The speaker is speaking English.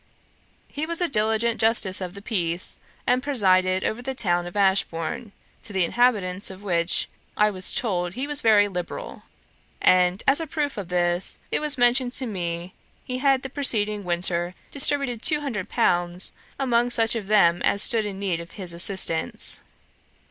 He was a diligent justice of the peace, and presided over the town of Ashbourne, to the inhabitants of which I was told he was very liberal; and as a proof of this it was mentioned to me, he had the preceding winter distributed two hundred pounds among such of them as stood in need of his assistance.